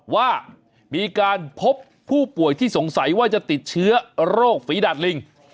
ว่ามีการพบผู้ป่วยที่สงสัยว่าจะติดเชื้อโรคฝีดาดลิง